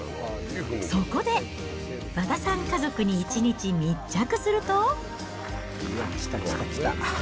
そこで、和田さん家族に一日密着